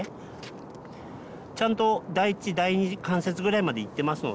ちゃんと第一第二関節ぐらいまでいってますので。